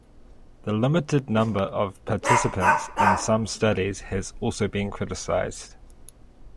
The limited number of participants in some studies has also been criticized.